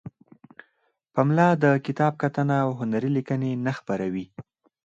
پملا د کتاب کتنه او هنری لیکنې نه خپروي.